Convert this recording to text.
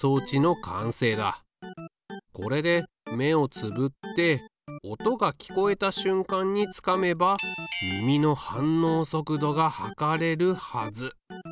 これで目をつぶって音が聞こえたしゅんかんにつかめば耳の反応速度が測れるはず。